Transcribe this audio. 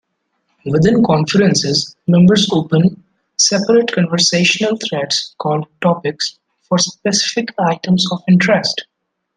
Within conferences, members open separate conversational threads called "topics" for specific items of interest.